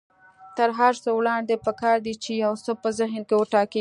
تر هر څه وړاندې پکار ده چې يو څه په ذهن کې وټاکئ.